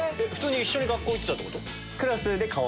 普通に一緒に学校行ってたってこと？